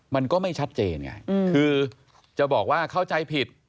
มันก็ไม่ชัดเจนไงคือจะบอกว่าเข้าใจผิด